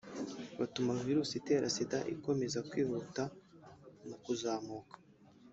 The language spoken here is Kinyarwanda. butuma Virusi itera Sida ikomeza kwihuta mu kuzamuka